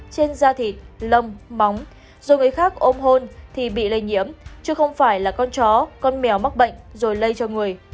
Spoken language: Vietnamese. trên da thịt lông móng dù người khác ôm hôn thì bị lây nhiễm chứ không phải là con chó con mèo mắc bệnh rồi lây cho người